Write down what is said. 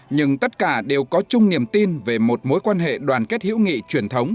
nhưng tất cả đều có chung niềm tin về một mối quan hệ đoàn kết hữu nghị truyền thống